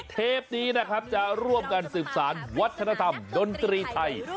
เทปนี้จะร่วมกันสิรษะวัฒนธรรมดนตรีไทย